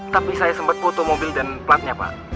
tapi saya sempat foto mobil dan platnya pak